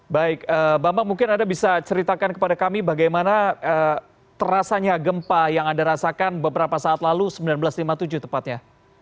baik bambang mungkin anda bisa ceritakan kepada kami bagaimana terasanya gempa yang anda rasakan beberapa saat lalu seribu sembilan ratus lima puluh tujuh tepatnya